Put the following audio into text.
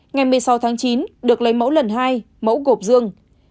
ngày một mươi sáu tháng chín được lấy mẫu lần hai mẫu gộp dương